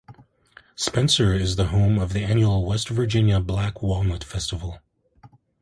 Spencer is the home of the annual West Virginia Black Walnut Festival.